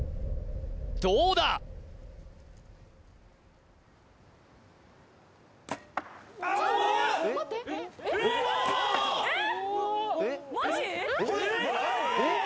どうだ？えっ？